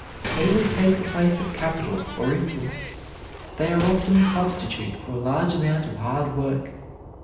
They will take the place of capital, or influence. They are often a substitute for a large amount of hard work.